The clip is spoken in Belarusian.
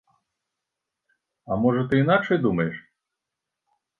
А можа ты іначай думаеш?